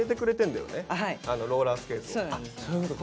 あそういうことか。